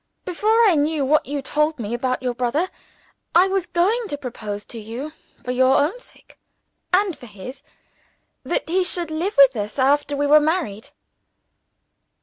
"Before I knew what you told me about your brother, I was going to propose to you, for your sake and for his, that he should live with us after we were married."